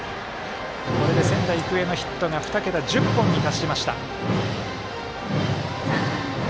これで仙台育英のヒットが２桁、１０本に達しました。